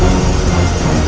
terima kasih banyak aslan